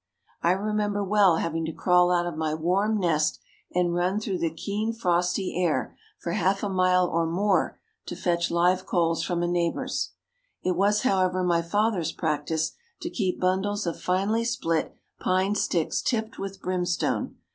I remember well having to crawl out of my warm nest and run through the keen frosty air for half a mile or more, to fetch live coals from a neighbour's. It was, however, my father's practice to keep bundles of finely split pine sticks tipped with brimstone.